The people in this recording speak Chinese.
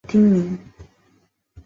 丰洲是东京都江东区的町名。